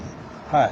はい。